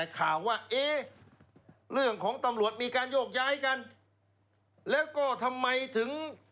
แล้วก็ทำไมถึง